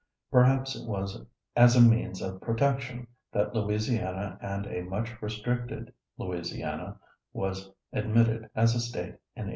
Perhaps it was as a means of protection that Louisiana and a much restricted Louisiana was admitted as a State in 1812.